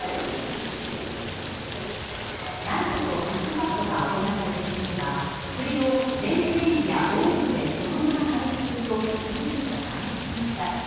ＮＩＴＥとクックパッドが行った実験では栗を電子レンジやオーブンでそのまま加熱すると次々と破裂しました。